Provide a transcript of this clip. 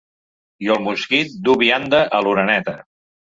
I el mosquit du vianda a l’oreneta.